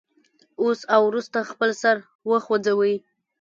اوس او وروسته خپل سر وخوځوئ.